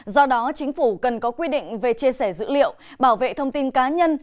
do đó chính phủ cần có quy định về chia sẻ dữ liệu bảo vệ thông tin cá nhân